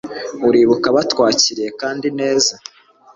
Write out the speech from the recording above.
uribuka batwakiriye kandi neza